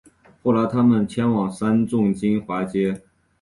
后来他们迁往三重金华街